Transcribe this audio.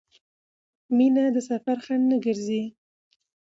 مینه د سفر خنډ نه ګرځي.